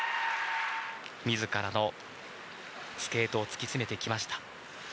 自らのスケートを突き詰めてきました。